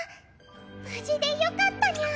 無事でよかったニャン。